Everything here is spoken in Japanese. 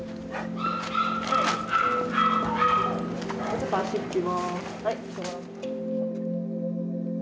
ちょっと足ふきます。